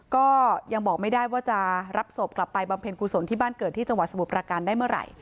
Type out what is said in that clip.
ก็ยังบอกไม่ได้ว่าจะรับศพกลับไปบำเพ็ญกุศลที่บ้านเกิดที่จังหวัดสมุทรประการได้เมื่อไหร่